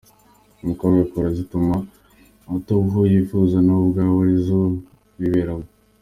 umukobwa akora zituma ataba uwo wifuza nawe ubwawe arizo wiberamo.